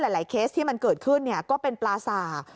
แล้วหลายเคสที่มันเกิดขึ้นก็เป็นปลาสาก